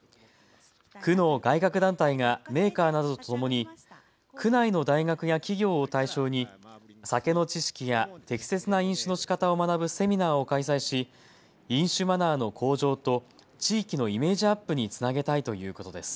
区の外郭団体がメーカーなどとともに区内の大学や企業を対象に酒の知識や適切な飲酒のしかたを学ぶセミナーを開催し飲酒マナーの向上と地域のイメージアップにつなげたいということです。